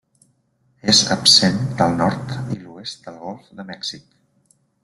És absent del nord i l'oest del golf de Mèxic.